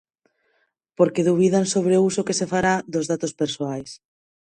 Porque dubidan sobre o uso que se fará dos datos persoais.